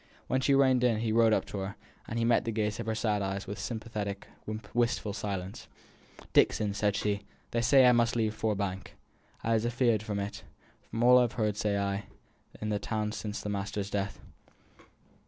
When she reined in he rode up to her, and met the gaze of her sad eyes with sympathetic, wistful silence. "Dixon," said she, "they say I must leave Ford Bank." "I was afeared on it, from all I've heerd say i' the town since the master's death."